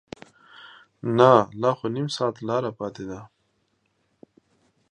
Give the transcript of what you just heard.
نه لا خو نیم ساعت لاره پاتې ده.